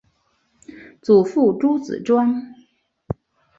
祖父朱子庄。